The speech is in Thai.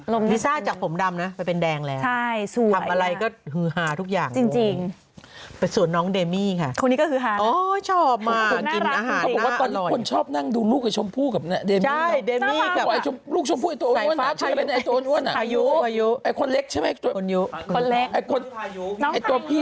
ลมฮรีมฮรีมฮรีมฮรีมฮรีมฮรีมฮรีมฮรีมฮรีมฮรีมฮรีมฮรีมฮรีมฮรีมฮรีมฮรีมฮรีมฮรีมฮรีมฮรีมฮรีมฮรีมฮรีมฮรีมฮรีมฮรีมฮรีม